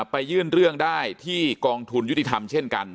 ไปยื่นเรื่องได้ที่กองทุนยุติธรรมเช่นกัน